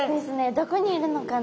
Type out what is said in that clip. どこにいるのかな？